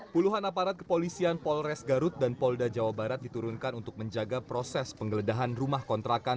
puluhan aparat kepolisian polres garut dan polda jawa barat diturunkan untuk menjaga proses penggeledahan rumah kontrakan